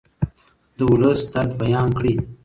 د ولس درد بیان کړئ.